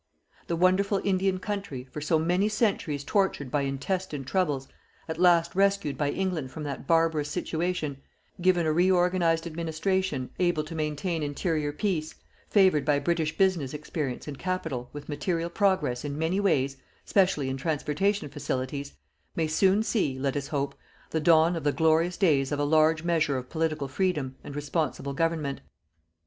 The wonderful Indian country, for so many centuries tortured by intestine troubles, at last rescued by England from that barbarous situation, given a reorganized administration able to maintain interior peace, favoured by British business experience and capital with material progress in many ways, specially in transportation facilities, may soon see let us hope the dawn of the glorious days of a large measure of political freedom and responsible government.